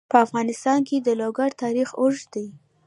په افغانستان کې د لوگر تاریخ اوږد دی.